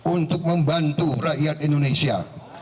untuk membantu rakyat indonesia